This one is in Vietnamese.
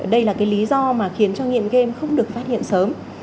đây là cái lý do mà khiến cho nghiện game không được phát hiện sớm